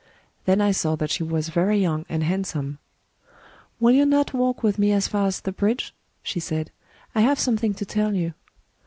Then I saw that she was very young and handsome. *Will you not walk with me as far as the bridge?* she said; * I have something to tell you.